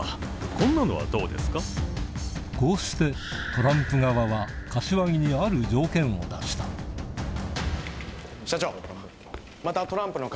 こうしてトランプ側は柏木にある条件を出した社長また。